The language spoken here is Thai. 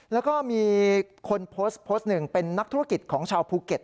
แล้วก็มีคนโพสต์โพสต์หนึ่งเป็นนักธุรกิจของชาวภูเก็ต